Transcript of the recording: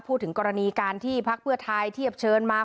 พูดถึงกรณีการที่พักเพื่อไทยเทียบเชิญมา